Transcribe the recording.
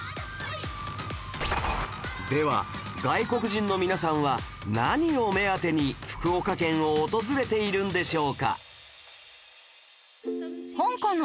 では外国人の皆さんは何を目当てに福岡県を訪れているんでしょうか？